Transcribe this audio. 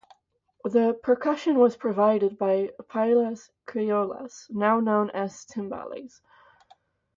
The percussion was provided by "pailas criollas", now known as timbales.